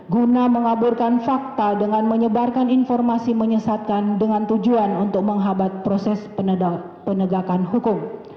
guna mengaburkan fakta dengan menyebarkan informasi menyesatkan dengan tujuan untuk menghabat proses penegakan hukum